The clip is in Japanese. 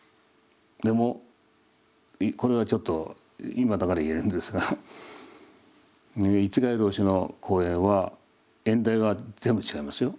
でもこれはちょっと今だから言えるんですが逸外老師の講演は演題は全部違いますよ。